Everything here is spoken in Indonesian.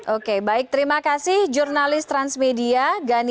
oke baik terima kasih jurnalis transmedia gani